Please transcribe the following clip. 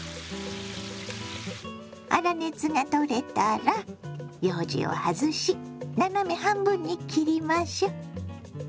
粗熱が取れたらようじを外し斜め半分に切りましょ。